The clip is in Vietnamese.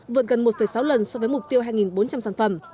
vượt gần một sáu lần so với mục tiêu hai bốn trăm linh sản phẩm